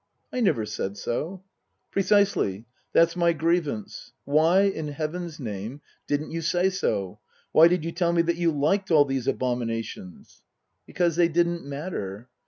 " I never said so." " Precisely. That's my grievance. Why, in Heaven's name, didn't you say so ? Why did you tell me that you liked all these abominations ?"" Because they didn't matter."